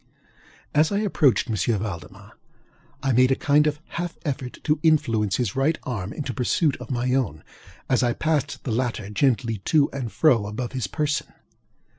As I approached M. Valdemar I made a kind of half effort to influence his right arm into pursuit of my own, as I passed the latter gently to and fro above his person.